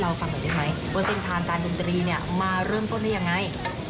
เล่าให้เราฟังเราก็พี่ไหมวันสิงหาญการดนตรีเนี่ยมาเริ่มต้นรู้อย่างไร